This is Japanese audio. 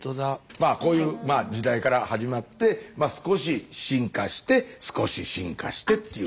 まあこういう時代から始まって少し進化して少し進化してっていう。